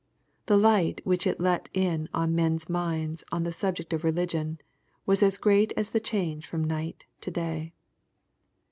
The light which it let in on men's minds on the subject of religion, was as great as the change from night to day.